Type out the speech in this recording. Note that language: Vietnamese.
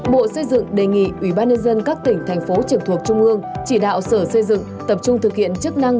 bộ xây dựng đề nghị ubnd các tỉnh thành phố trực thuộc trung ương chỉ đạo sở xây dựng tập trung thực hiện chức năng